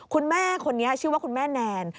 คุณแม่คนนี้ชื่อว่าคุณแม่แนน